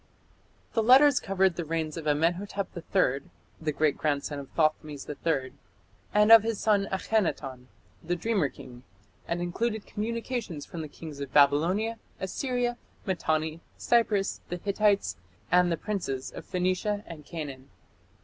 The letters covered the reigns of Amenhotep III, the great grandson of Thothmes III, and of his son Akhenaton, "the dreamer king", and included communications from the kings of Babylonia, Assyria, Mitanni, Cyprus, the Hittites, and the princes of Phoenicia and Canaan.